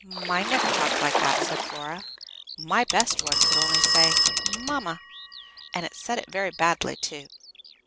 "Mine never talked like that," said Flora. "My best one could only say 'Mamma,' and it said it very badly, too."